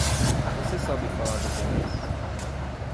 Você sabe falar japonês?